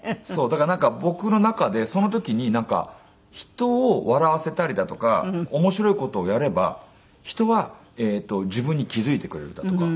だからなんか僕の中でその時になんか人を笑わせたりだとか面白い事をやれば人は自分に気付いてくれるんだとか。